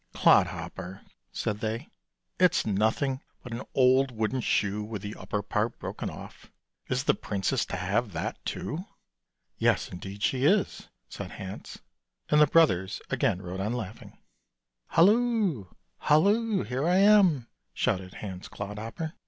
" Clodhopper," said they, " it's nothing but an old wooden shoe with the upper part broken off. Is the princess to have that too? "" Yes indeed she is," said Hans, and the brothers again rode on laughing. 24 ANDERSEN'S FAIRY TALES " Halloo, halloo, here I am," shouted Hans Clodhopper.